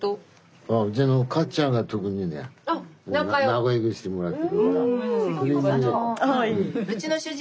仲良くしてもらってるから。